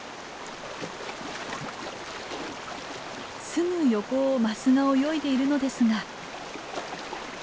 すぐ横をマスが泳いでいるのですが。